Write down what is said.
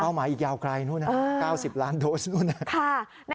เป้าหมายอีกยาวไกลนู่นนั่น๙๐ล้านโดสนู่นนั่น